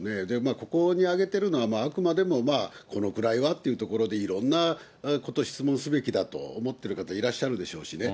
ここに挙げてるのは、あくまでもこのくらいはっていうところで、いろんなこと、質問すべきだと思ってる方、いらっしゃるでしょうしね。